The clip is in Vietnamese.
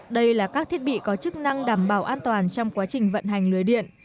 đây là các thiết bị có chức năng đảm bảo an toàn trong quá trình vận hành lưới điện